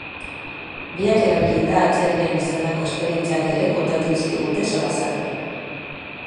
Biak erabilita atzerrian izandako esperientziak ere kontatu dizkigute solasaldian.